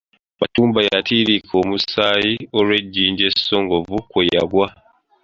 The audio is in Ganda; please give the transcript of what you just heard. Katumba yatiriika omusaayi olw’ejjinja essongovu kwe yagwa.